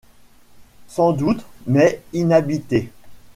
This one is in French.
Sans doute, mais inhabitées.